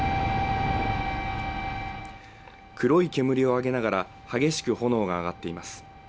黒い煙を上げながら激しく炎が上がっています